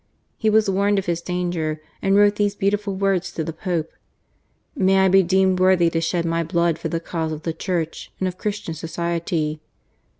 He was warned of his danger, and wrote these beautiful words to the Pope :May I be deemed worthy to shed my blood for the cause of the Church and of Christian society."